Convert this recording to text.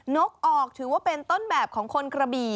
นกออกถือว่าเป็นต้นแบบของคนกระบี่